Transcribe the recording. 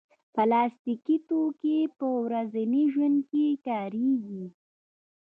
پلاستيکي توکي په ورځني ژوند کې کارېږي.